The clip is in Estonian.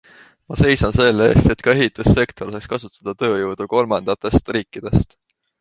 Ma seisan selle eest, et ka ehistussektor saaks kasutada tööjõudu kolmandatatest riikidest.